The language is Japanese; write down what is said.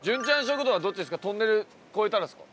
トンネル越えたらですか？